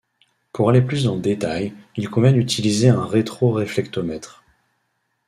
Pour aller plus dans le détail, il convient d'utiliser un rétroréflectomètre.